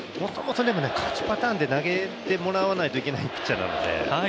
勝ちパターンで投げてもらわないといけないピッチャーなので。